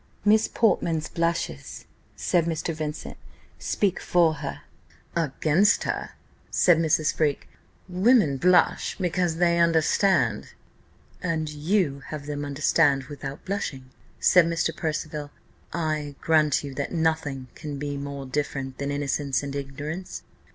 "Miss Portman's blushes," said Mr. Vincent, "speak for her." "Against her," said Mrs. Freke: "women blush because they understand." "And you would have them understand without blushing?" said Mr. Percival. "I grant you that nothing can be more different than innocence and ignorance.